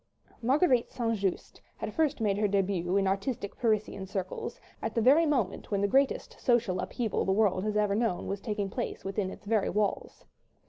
Marguerite St. Just had first made her début in artistic Parisian circles, at the very moment when the greatest social upheaval the world has ever known was taking place within its very walls.